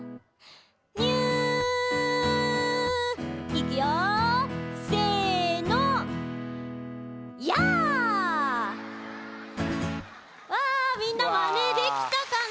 いくよせの。わみんなマネできたかな？